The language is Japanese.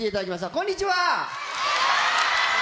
こんにちは！